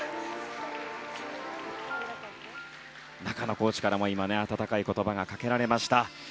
中野コーチからも温かい言葉がかけられました。